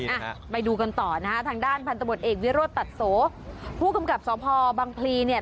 อ่ะไปดูกันต่อนะฮะทางด้านพันธบทเอกวิโรธตัดโสผู้กำกับสพบังพลีเนี่ย